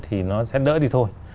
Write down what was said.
thì nó sẽ đỡ đi thôi